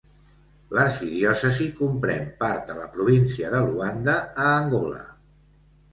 L'arxidiòcesi comprèn part de la província de Luanda, a Angola.